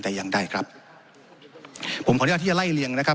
แต่ยังได้ครับผมขออนุญาตที่จะไล่เลี่ยงนะครับ